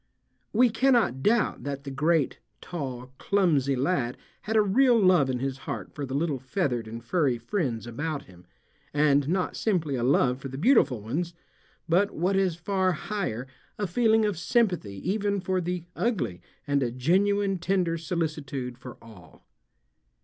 We cannot doubt that the great, tall, clumsy lad had a real love in his heart for the little feathered and furry friends about him, and not simply a love for the beautiful ones, but what is far higher a feeling of sympathy even for the ugly and a genuine tender solicitude for all.